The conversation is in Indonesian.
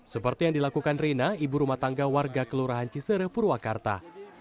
seperti yang dilakukan rina ibu rumah tangga warga kelurahan cisere purwakarta